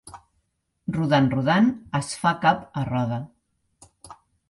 Rodant, rodant, es fa cap a Roda.